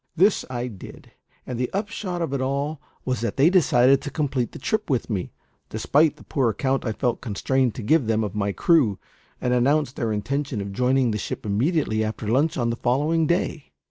This I did; and the upshot of it all was that they decided to complete the trip with me, despite the poor account I felt constrained to give them of my crew, and announced their intention of joining the ship immediately after lunch on the following day.